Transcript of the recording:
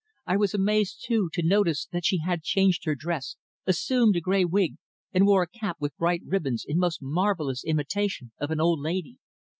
I was amazed, too, to notice that she had changed her dress, assumed a grey wig, and wore a cap with bright ribbons, in most marvellous imitation of an old lady.